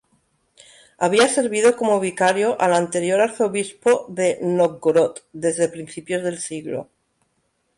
Había servido como vicario al anterior arzobispo de Nóvgorod desde principios del siglo.